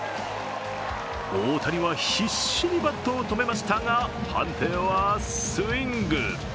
大谷は必死にバットを止めましたが判定はスイング。